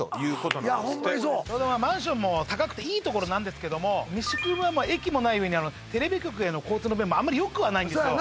そうマンションも高くていい所なんですけども三宿は駅もない上にテレビ局への交通の便もあんまりよくはないんですよ